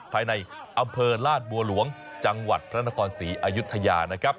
ภายในอำเภอลาดบัวหลวงจังหวัดพระนครศรีอายุทยานะครับ